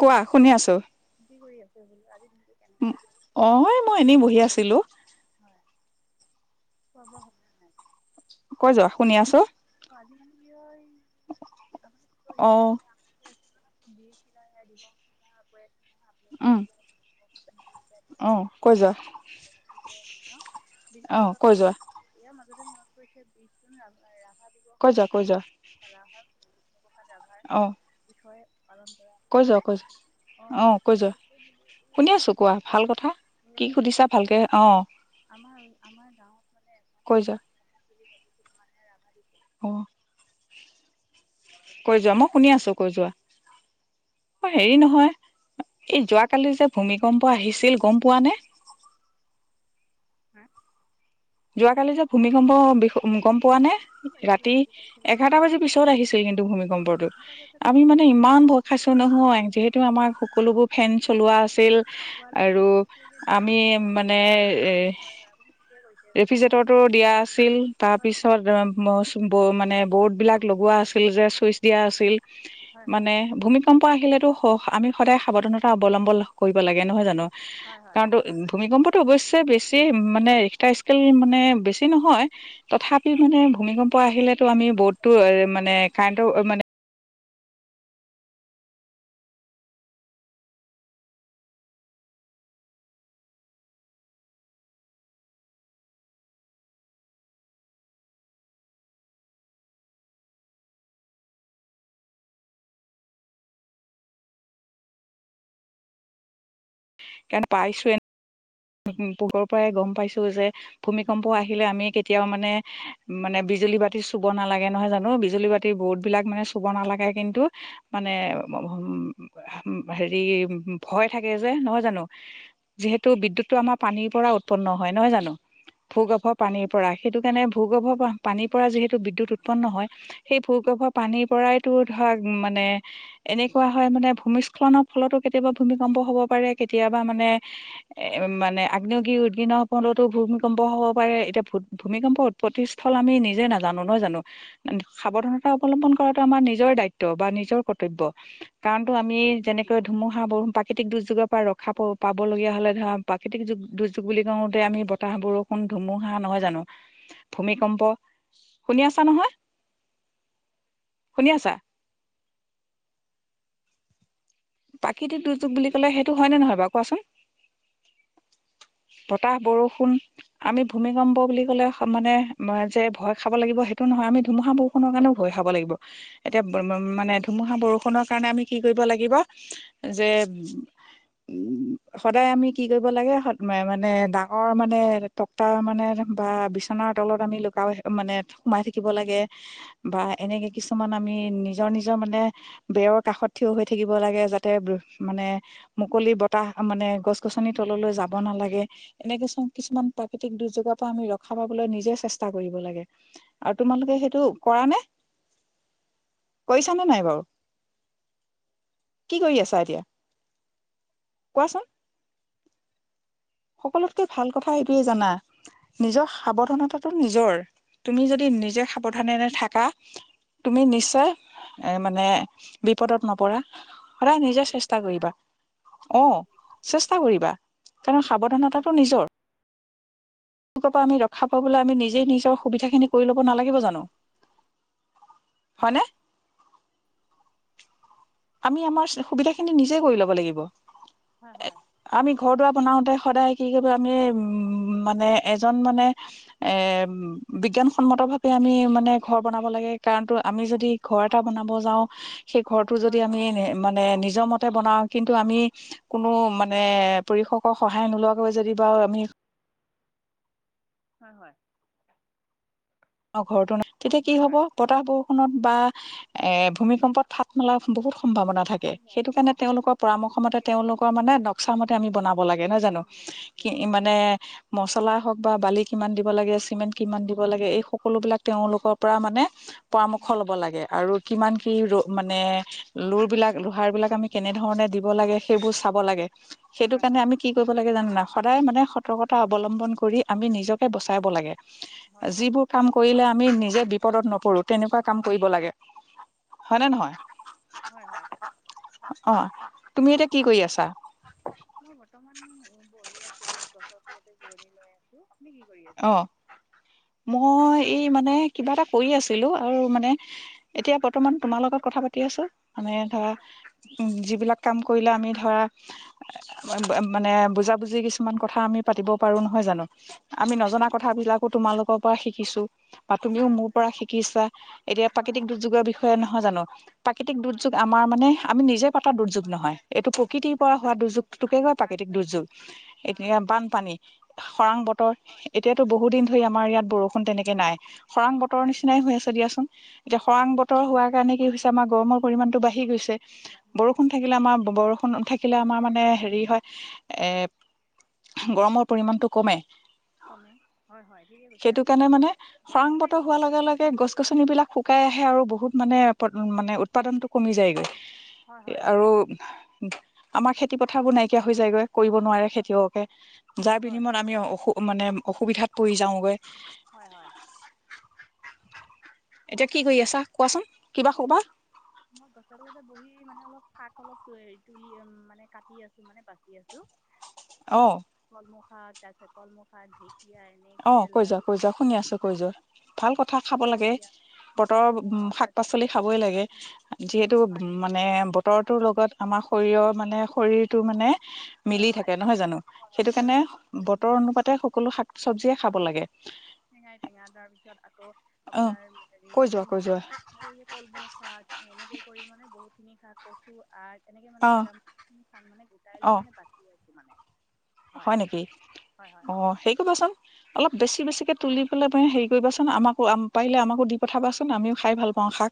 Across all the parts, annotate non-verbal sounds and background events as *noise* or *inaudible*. কোৱা হয় শুনি আছো কি কৰি আছে বোলো আজিৰ দিন কেনেকে গ'ল অ মই এনেই বহি আছিলো হয় পবন কৈ যোৱা শুনি আছোঁ আজি মানে কি হয় আপুনি কি কৰি অ আছে বি চিলাই। দে *unintelligible* অহ কৈ যোৱা অহ কৈ যোৱা। যদি মনত পৰিছে কৈ যোৱা বীৰ। কৈ যোৱা ফলাহত ভাইভাৰ অ বিষয়ে। পালন কৰা কৈ হয় যোৱা হয়নে। কৈ যোৱা অ কৈ যোৱা এই এই শুনি আছো কোৱা ভাল কথা কি মানোৰ সুধিছা ভালকে অ আমাৰ আমাৰ গাঁৱত মানে এ কৈ যোৱা বুলি। মানে ৰাভা দিৱস। অ'হ কৈ যোৱা মই শুনি আছো। কৈ যোৱা অ হেৰি নহয় এই যোৱ কালি যে ভূমিকম্প আহিছিল। গম পোৱা নে হা যোৱ কালি যে। ভূমিকম্প বিষয়ে গম পোৱা। নে কি লাগিছিল ৰাতি লাগিছিল লাগিছিল এঘাৰটা বাজি লাগিছিল পিছত আহিছোহি কিন্তু ভূমিকম্পটো এঘাৰটা বজাত আমি কিন্তু মানে ইমান ভয় খাইছো। নহয় যিহেতু আমাৰ সকলোবোৰ ফেন চলোৱা আছিল। আৰু আমি মানে এ এফিজটৰটো দিয়া আছিল তাৰ পিছত মানে। ব'ৰ্ডবিলাক লগোৱা আছিল যে ছুইচ দিয়া আছিল। হয় হয় মানে ভূমিত কম্প আহিলেতো। স আমি সদায় সাৱধানতা অৱলম্বন কৰিব লাগে নহয় জানো। হয় হয় কাৰণ তো ভূমিকম্প। অৱশ্যে বেছি মানে। মানে বেছি নহয়, তথাপি মানে ভূমিকম্প হয় আহিলেতো আমি ব'ৰ্ড মানে কাৰেণ্টৰ মানে। কাৰণ পাইছোৱে পোহৰৰ পৰাই গম পাইছো। যে ভূমিকম্প আহিলে আমি কেতিয়াও মানে মানে বিজুলী বাতি চুব নালাগে। নহয় জানো বিজুলী বাতি বৰ্ড বিলাক মানে চুব নালাগে। কিন্তু মানে উ হেৰি ভয় থাকে। যে নহয় জানো যিহেতু বিদ্য়ুৎ আমাৰ পানীৰ পৰা উৎপন্ন হয়। নহয় জানো ভূগৰ্ভ পানীৰ পৰা সেইটো কাৰণে ভূগৰ্ভ পানীৰ পৰা। যিহেতু বিদ্যুত উৎপন্ন হয় সেই ভূগৰ্ভ পানীৰ পৰাইতটো ধৰক মানে এনেকুৱা হয় মানে ভূমিস্খলনৰ ফলতো কেতিয়াবা ভূমিকম্প হব পাৰে। কেতিয়াবা মানে মানে আগ্নেয়গিৰ উদগিন ভূমিকম্প হ'ব পাৰে। এতিয়া ভূমিকম্প উৎপত্তিস্থল আমি নিজে নাজানো নহয় জানো সাৱধানতা অৱলম্বন কৰাতটো আমাৰ নিজৰ দায়িত্ব বা নিজৰ কৰ্তব্য। কাৰণতো আমি যেনেকৈ ধুমুহা বৰ প্ৰাকৃতিক দুৰ্যোগৰ পৰা ৰখা পাবলগীয়া হ'লে ধৰা। প্ৰাকৃতিক যগ দুৰ্যোগ বুলি কওঁতে আমি বতাহ বৰষুণ ধুমুহা নহয় জানো ভূমিকম্প শুনি আছা নহয় শুনি আছা। প্ৰাকৃতিক দুৰ্যোগ বুলি ক'লে সেইটো হয়নেে নহয় বাৰু কোৱাচোন। বতাহ বৰষুণ আমি ভূমিকম্প বুলি কলে মানে যে ভয় খাব লাগিব সেইটো নহয় আমি ধুমুহা বৰষুণৰ কাৰণেও ভয় খাব লাগিব। এতিয়া মানে ধুমুহা বৰষুনৰৰ কাৰণে আমি কি কৰিব লাগিব। যে উম সদায় আমি কি কৰিব লাগে মানে ডাঙৰ মানে টকা মানে বা বিচনাৰ তলত আমি লুকাই মানে সোমাই থাকিব লাগে। বা এনেকে কিছুমান আমি নিজৰ নিজৰ মানে বেৰৰ কাষত থিয় হৈ থাকিব লাগে। যাতে মানে মুকলি বতাহ মানে গছ গছনি তললৈ যাব্ কিছু প্ৰৃতিক দুৰৰ পৰা আমি ৰক্ষা পাবলৈ নিজে চেষ্টা কৰিব লাগে। আৰু তোমালোকে সেইটো কৰা নে কৰিছ নে নাই বাৰু। কি কৰি আছা এতিয়া কোৱাচোন। সকলোতকৈ ভাল কথা। এইটোৱে জানা নিজৰ সাৱধানতাটো নিজৰ তুমি যদি নিজে সাৱধানেৰে থাকা তুমি নিশ্চয় এ মানে বিপদত নপৰা। সদায় নিজে চেষ্টা কৰিবা অহ চেষ্টা কৰিবা কাৰণ হয় সাৱধানতাটো হয় নিজৰ। তেওঁলোকৰ পৰা আমি ৰক্ষা পাবলৈ। আমি নিজেই নিজৰ সুবিধাখিনি কৰি ল'ব নালাগিব জানো। হয় হয়নে? আমি আমাৰ সুবিধাখিনি নিজে কৰি ল'ব লাগিব। হয় হয়। আমি ঘৰ দাৰ বনাওতে সদায় কি কৰিব আমি উ মানে এজন মানে এ বিজ্ঞানসন্মত ভাৱে আমি মানে ঘৰ বনাব লাগে কাৰণতো আমি যদি ঘৰ এটা বনাব যাওঁ সেই যদি হয় হয় আমি মানে নি নিজমতে বনাওঁ কিন্তু আমি কোনো মানে পৰিশকৰক সহায় নোলোৱাকৈ যদি বাৰু আমি হয় হয়। অ' ঘৰতো নাই। তেতিয়া কি হয় হয় হব হয় বতাহ বোৰ এ ভূমিকম্পত ফাট মেলা বহুত সম্ভাৱনা থাকে হয় সেইটো কাৰণে হয় হয় তেওঁলোকৰ পৰামৰ্শ মতে তেওঁলোকৰ মানে নক্সা মতে আমি বনাব লাগে নহয় জানো বনাব লাগে কি তেনেহ'লে মানে মচলা হওক বা বালি কিমান দিব লাগে চিমেন্ট কিমান দিব লাগে এই সকলো বিলাক তেওঁলোকৰ পৰা মানে পৰামৰ্শ লব হয় লাগে আৰু কিমান কি ৰ মানে লোৰ বিলাক লোহাৰ বিলাক আমি কেনেধৰণে দিব লাগে সেইবোৰ চাব লাগে। সেইটো হয় কাৰণে হয় আমি কি কৰিব লাগে জানে নে? সদায় মানে সতৰ্কতা হয় হয় অৱলম্বন কৰি আমি নিজক বচাইব লাগে হয় হয়। যিবোৰ কাম আমি নিজে বিপদত নপৰো তেনেকুৱা কাম কৰিব লাগে হয় নে নহয়? হয় হয়। অ' তুমি এতিয়া কি কৰি আছা? দিয় গছৰ তলতে জিৰণি লৈ আছো। আপুনি কি? কৰি আছে অ' মই এই মানে কিবা এটা কৰি আছিলো আৰু মানে এতিয়া বৰ্তমান তোমাৰ লগত কথা পাতি আছো। মানে হয় ধৰা হয় উ যিবিলাক কাম কৰিলে আমি ধৰা হয় হয় মানে বুজাবুজি কিছু কিছুমান কথা আমি পাতিব পাৰো নহয় জানো? আমি নজনা হয় কথ বিলাকো তোমালোক পৰা শিকিছো বা তুমিও হয় হয় হয় মোৰ পৰা শিকিছা এতিয়া হয় প্ৰাকৃতিক হয় দুৰ্যোগৰ বিষয়ে নহয় জানো? *unintelligible* প্ৰাকৃতিক হয় দুৰ্যোগ আমাৰ মানে আমি নিজে পাতৰ দুৰ্যোগ নহয় বানপানী এইটো প্ৰকৃতিৰ পৰা হোৱা প্ৰকৃতি দুৰ্যোগতোকে ক প্ৰাকৃতিক বানপানী দুৰ্যোগ এতিয়া বানপানী খৰাং বতৰ হয় এতিয়াতো বহু দিন ধৰি আমাৰ ইয়াত বৰষুণ তেনেকে নাই খৰাং বতৰ নাই নিচিনাই নাই হৈ আছে দিয়াচোন এতিয়া হৈ খৰাং আছে বতৰ হোৱাৰ কাৰণে কি হৈছে আমাক গৰমৰ পৰিমান টো বাঢ়ি গৈছে বাঢ়িছে বৰষুণ থাকিলে আমাৰ বৰষুণ থাক থিলে আমাৰ মানে হেৰি হয় এ গৰমৰ পৰিমাণতটো কমে কমে হয় হয় ঠিকে কৈছে সেইটো আপুনি কাৰণে মানে খৰাং বৰষুণ বতৰ থাকি- হোৱাৰ কেতিয়াবা লগে লগে গছ গছনি বিলাক শুকাই আহে আৰু বহুত মানে মানে উৎপাদনতটো কমি যায়গৈ হয় হয় ঠিকে আৰু কৈছে আমাৰ খেতি খেতি পথাৰবোৰ নাইকিয়া হৈ যায়গৈ কৰিব নোৱাৰে খেতিয়কে যাৰ হয় বিনিময়ত আমি অসু মানে অসুবিধাত পৰি যাওঁগৈ হয় হয়। এতিয়া কি কৰি আছা কোৱাচোন কিবা এই ক'বা বৰ্তমান মই গছৰ লগতে বহি মানে অলপ শাক অলপ তুলি মানে কাটি আছে মানে বাচি আছো অ কলম খাৰ ত আা কলম খাৰঢিক অ কৈ যাও কৈ যাও শুনি আছো কৈ যোৱা ভাল কথা কঠা খাব লাগে ঢেকীয়া বতৰৰ উ অঁ শাক তাৰপিছত পাচলি খাবই লাগে ৰচুন, যিহেতু উ মানিমুনি মানে বতৰটোৰ লগত আমাৰ শৰীৰৰ মানে শৰীৰটো মানে মিলি হয় হয় হয় হয় থাকে নহয় জানো হয়, সেইটো কাৰণে ভেদাইলতা বতৰ উম, অনুপাতে সকলো শাক চব্জিয়ে খাব লাগে টেঙাই টেঙা তাৰপিছত আকৌ অ আপোনাৰ হেৰি কৈ যোৱা কৈ যোৱা উ কলমৌ স এনেকে কৰি মানে বহুত শনিশা কচু আছ। তেনেকে মানে অ কেৰম মানে গোটাই অ লৈ মানে বাচি আছে মানে হয় নেকি হয় হয় অ সেই কবাচোন অলপ বেছি বেছিকে? তুলি পেলাই মানে হেৰি কৰিবাচোন আমাকো পাৰিল আমো দি পঠাবাচোন আমিও খাই ভাল পাওঁ শাক।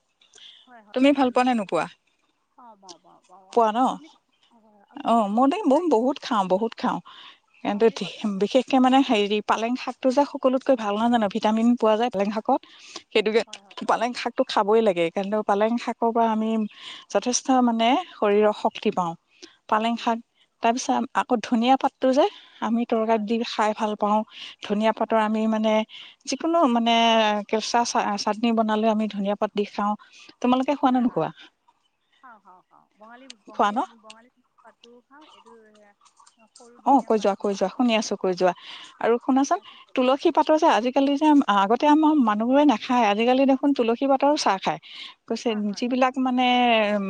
হয় তুমি হয় ভাল হয় পোৱা নে নিশ্চয় নোপোৱা অ বাৰ পোৱা ন আপুনি আপুনি অ কঠাল মই খাই। কিন্তু বিশেষকে মানে হেৰি পালেং শাক টো যে সকলোতকৈ ভাল নহয় জানো ভিটামিন পোৱা যায় বেলেং শাকত হয় হয় সেইটোকেপালেং শাক টো খাবই লাগে কিন্ত পালেং শাকৰ পৰা আমি যথেষ্ট মানে শৰীৰৰ শক্তি পাওঁ। পালেং শা অঁ হ'বক তাৰপিছত আকৌ ধুনীয়া পাত তোৰ যে আমি তৰকাৰী হয় দি হয় খাই ভাল পাওঁ পাওঁ ধুনীয়া পাতৰ হয় হয় আমি মানে যিকোনো মানে কেঁচা চাটনি বনালৈ আমি ধুনীয়া পাত দি খাওঁ তোমালোকে খোৱা নে হয় হয় নোখোৱা খাওঁ খাওঁ বঙালী খোৱা বঙালী ন বঙালীটো অ এটো অ অ কৈ যোৱা কৈ যোৱা শুনি আছো কৈ যোৱা আৰু শুনাচোন তুলসী পাতৰ যে আজিকালি যে আগতে আমাৰ মানুহবোৰে নাখায় আজিকালি দেখোন তুলসী পাতৰো চাহ খায় কৈছে হয় হয় যিবিলাক মানে উ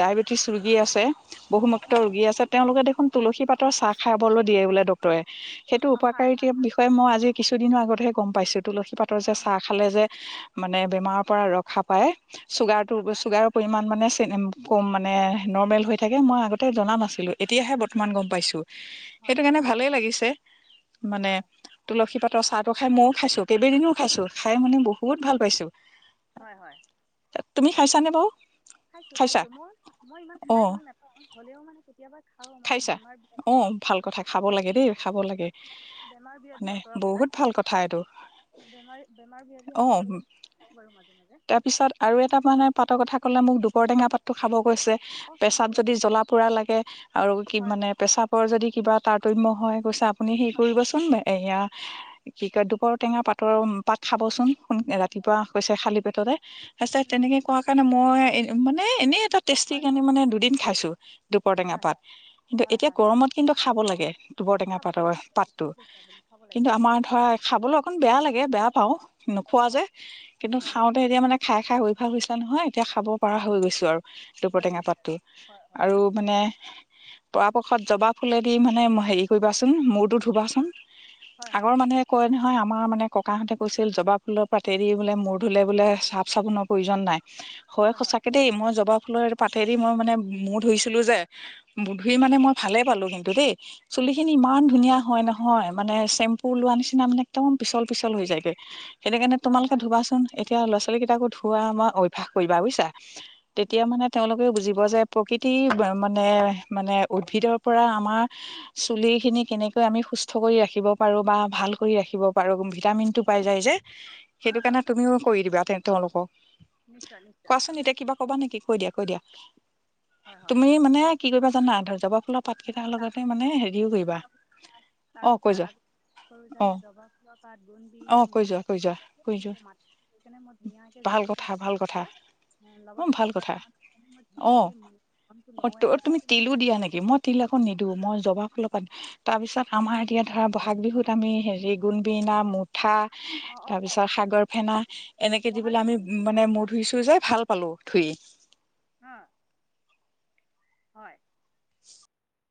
ডায়েবেটিচ ৰোগী হয় আছে বহুমুক্ত হয় হয় ৰোগী আছে তেওঁলোকে দেখ তুলসী পাত চাহ খাবলৈ দিয়ে বোলে ড তই সেইটো অ খায় খায় উপকাৰিতাৰ বিষয়ে মই আজি কিছুদিনৰ আগতহে গম পাইছোঁ তুলসী পাতৰ যে হয় চাহ হয় খালে যে মানে বেমাৰৰ পৰা ৰক্ষা পায় চুগাৰ ৰক্ষা পায় চুগাৰৰ পৰিমাণ মানে চ কম মানে কমি নৰ্মেল যায় হৈ থাকে মই আগতে জনা নাছিলোঁ এতিয়াহে অকমান গম পাইছো হয় সেইটো হয় কাৰণে ভালেই লাগিছে মানে হয় তুলসী পাত তই চাহটো খাই মইও খাইছো কেইবদিনও খাইছো খাই মানে বহুত ভাল পাইছো হয় হয় তুমি খাইছানে বাৰু খাইছো খাইছা খাইছো মই মই ইমান অ খাই ভাল নাপাওঁ হলেও মানে কেতিয়াবা খাওঁ মানে খাইছা বেমাৰ ব্যাধি আহ অ ভাল কথা খাব লাগে দেই খাব লাগে বেমাৰ ব্যাধি মানে আঁতৰাবলৈ বহুত ভাল কথা এইটো বেমাৰ বেমাৰ ব্যাধি অ আঁতৰাবলৈ খাওঁ বাৰু মাজে মাজে তাৰপিছত আৰু এটা মানে পাতৰ কথা ক'লে মোক দুপৰটেঙাপাতটো খাব কৈছে অ খাব পেছাপ যদি জ্বলা পোৰা লাগে আৰু কি হয় মানে হয় পেছাপ যদি কিবা তাৰতম্য হয় কৈছে আপুনি কৰিবচোন এইয়া দুপৰ টেঙা পাতৰ পাত খাবচোন সোনক ৰাতিপুৱা হৈছে খালী পেটতে সচা তেনেকে কোৱা কাৰণে মই এ মানে এনেই এটা হয় টেষ্টি হয় কানি হয় হয় হয় হয় মানে দুদিন খাইছো দুপৰ টেঙা হয় হয় পাত কিন্তু হয় এতিয়া হয় গৰমত কিন্তু খাব লাগে দুবৰ টেঙা খাব পাতৰ পাতটো গৈছে আপুনি খাব লাগে কিন্তু খাব আমাৰ লাগে ধৰা খাবলৈ অকণ বেয়া লাগে বেয়া পাও নোখোৱা যে হয় কিন্তু হয় হয় খাওঁতে এতিয়া মানে খাই খাই হৈ অভ্যাস হৈছো নহয় এতিয়া খাব পৰা হৈ গৈছো আৰু হৈ দুপৰটেঙা গৈছে পাতটো আৰু। হয় হয় আৰু মানে পৰাপক্ষত জবা ফুলেদি মানে হেৰি কৰিবাচোন মূৰটো ধুবাচোন হয় আগৰ হয় মানুহে কয় ন নহয় আমাৰ মানে ককাহঁতে কৈছিল জবা ফুলৰ পাতেদি বোলে মূৰ ধুলে বোলে চাফ চাবোনৰ প্ৰয়োজন নাই হয় সচাকে দেই মই জবা পাতেদি মই মানে মূৰ ধুইছিলো যে বুধেই মানে মই ভালে পালো কিন্তু দেই চুলি খিনি ইমান ধুনীয়া হয় নহয় মানে চেম্পু লোৱা নিচিনা মানে একদম পিচল পিচল হৈ যায়গৈ সেইটো কাৰণে হয় তোমালোকে হয় ধুবাচোন এতিয়া ল'ৰা ছোৱালী কেইটাকো ধোৱা আমাৰ অভ্যাস কৰিবা বুজিছা তেতিয়া উম, মানে তেওঁলোকেও বুজি যে প্ৰকৃতিৰ মানে মানে উদ্ভিদৰ পৰা আমাৰ চুলিখিনি কেনেকৈ আমি সুস্থ কৰি ৰাখিব পাৰোঁ বা ভাল কৰি ৰাখিব পাৰোঁ ভিটামিনটো পাই যায় যে সেইটো হয় কাৰণে হয় তুমিও কৰি দিবা তে তেওঁলোকক নিশ্চয় নিশ্চয় কোৱাচোন নিশ্চয় এতিয়া কিবা কবা নেকি কৈ দিয়া কৈ দিয়া হয় হয় তুমি মানে কি কৰিবা জানা ধৰ জবা ফুলৰ পাতকেইটাৰ লগতে মানে হেৰিও কৰিবা অ কৈ তাৰপিছত যোৱা আগ সৰু অ জানে জবা ফুলৰ কাত অ বোনবিৰিনা কৈ যোৱা কৈ যোৱা কৈ যোৱা মুঠানে মই ধুনীয়াকে ভাল জেটোকা কথা ভাল কথা লৈ অ লগত ভাল তিল কথা কেইটামান অ অ ধুনীয়াকৈ যাতে তুমি তিলো চুলিখিনি দিয়া নেকি মই তিল আকৌ নিদিওঁ মই জবা ফুলৰ দিওঁ তাৰ পিছত আমাৰ এতিয়া ধৰা বহাগ বিহুত আমি হেৰি গুণবিনা মুঠ পিঠা অঁ তাৰ অঁ পিছত সেইটো সাগৰ ফেনা সেইটো এনেকে দি বহাগ পেল বিহু আমি বুলি কথা মানে নাই মুৰ মই ধুইছো যে ভাল পালো ধুই অঁ হয় অ